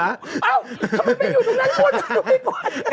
เอ้าทำไมไม่อยู่ตรงไหนอ่ะอ้อน